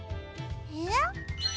えっ？